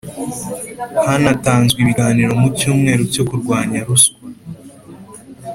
hanatanzwe ibiganiro mu cyumweru cyo kurwanya ruswa